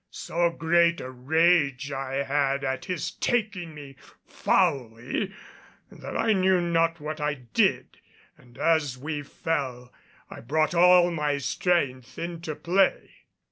So great a rage I had at his taking me foully that I knew not what I did and as we fell I brought all my strength into play.